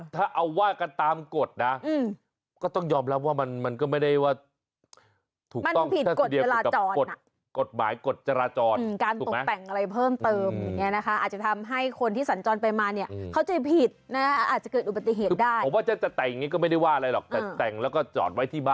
แต่การกดไลค์กดแชร์ในครั้งนี้